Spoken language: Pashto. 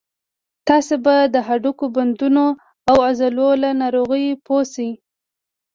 تاسې به د هډوکو، بندونو او عضلو له ناروغیو پوه شئ.